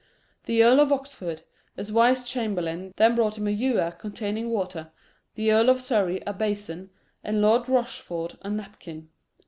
The Earl of Oxford, as vice chamberlain, then brought him a ewer containing water, the Earl of Surrey a bason, and Lord Rochford a napkin.